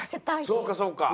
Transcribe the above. そうかそうか！